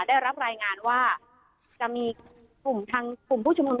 ได้รับรายงานว่าจะมีกลุ่มทางกลุ่มผู้ชุมนุม